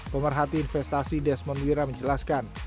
pemerhati investasi desmond wira menjelaskan